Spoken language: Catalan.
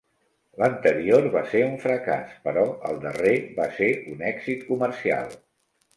L'anterior va ser un fracàs, però el darrer va ser un èxit comercial.